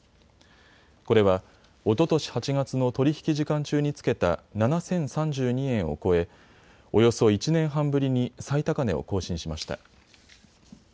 これはおととし８月の取り引き時間中につけた７０３２円を超えおよそ１年半ぶりに最高値を更新しました。